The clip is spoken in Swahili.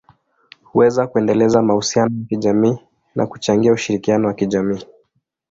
huweza kuendeleza mahusiano ya kijamii na kuchangia ushirikiano wa kijamii.